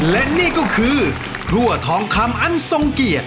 และนี่ก็คือพรั่งขำอันสงเกียจ